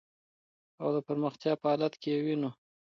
او د پرمختیا په حالت کی یې وېنو .